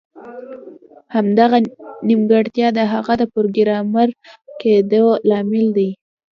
همدغه نیمګړتیا د هغه د پروګرامر کیدو لامل ده